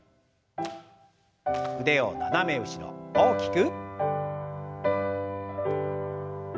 腕を斜め後ろ大きく。